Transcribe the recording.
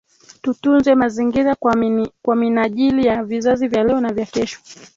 Tutunze mazingira kwa minajili ya vizazi vya leo na vya kesho